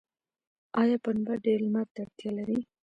آیا پنبه ډیر لمر ته اړتیا لري؟